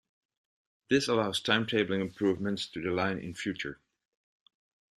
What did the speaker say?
This allows timetabling improvements to the line in future.